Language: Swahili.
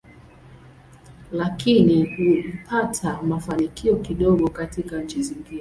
Lakini ulipata mafanikio kidogo katika nchi nyingine.